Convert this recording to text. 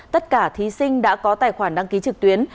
tất cả thí sinh đã có tài khoản đăng ký trực tuyến